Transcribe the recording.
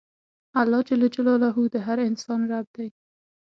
اللهﷻ د هر انسان رب دی.